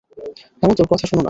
হেমন্ত, ওর কথা শুনো না।